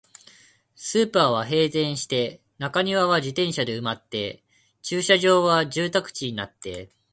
スーパーは閉店して、中庭は自転車で埋まって、駐車場は住宅地になって、